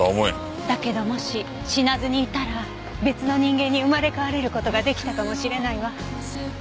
だけどもし死なずにいたら別の人間に生まれ変われる事が出来たかもしれないわ。